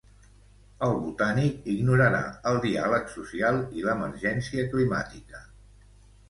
El Botànic ignorarà el diàleg social i l'emergència climàtica.